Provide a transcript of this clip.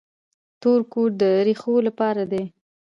تور کود د ریښو لپاره دی.